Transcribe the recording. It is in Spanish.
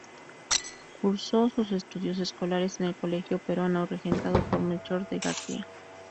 Cursó sus estudios escolares en el Colegio Peruano regentado por Melchor T. García.